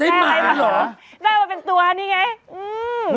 ได้มาเหรอได้มาเป็นตัวที่นี่ไง